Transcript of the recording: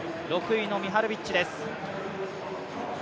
６位のミハルビッチです。